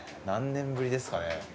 何年ぶりですかね。